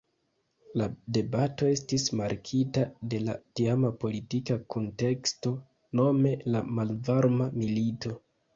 La debato estis markita de la tiama politika kunteksto, nome la Malvarma Milito.